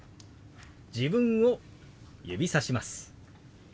自分を指さします。